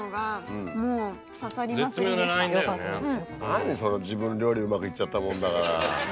何その自分料理うまくいっちゃったもんだから。